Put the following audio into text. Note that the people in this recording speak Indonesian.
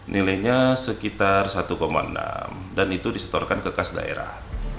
nilainya sekitar satu enam dan itu disetorkan ke kas daerah